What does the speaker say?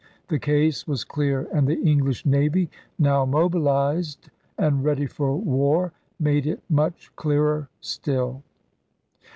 The case was clear; and the English navy, now mobilized and ready for war, made it much clearer still.